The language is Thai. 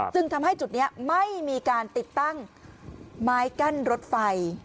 จึงทำให้จุดนี้ไม่มีการติดตั้งไม้กั้นรถไฟ